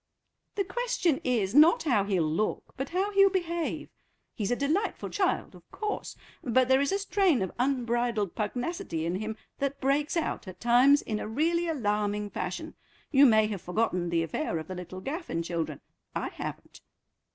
"The question is, not how he'll look, but how he'll behave. He's a delightful child, of course, but there is a strain of unbridled pugnacity in him that breaks out at times in a really alarming fashion. You may have forgotten the affair of the little Gaffin children; I haven't."